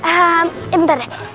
eh bentar ya